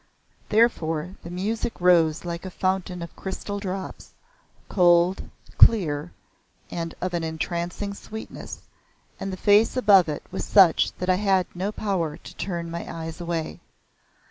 Therefore the music rose like a fountain of crystal drops, cold, clear, and of an entrancing sweetness, and the face above it was such that I had no power to turn my eyes away.